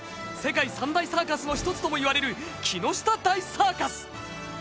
世界三大サーカスの１つともいわれる。